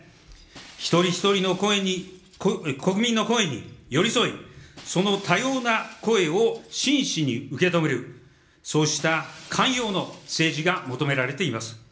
一人一人の声に、国民の声に寄り添い、その多様な声を真摯に受け止める、そうした寛容の政治が求められています。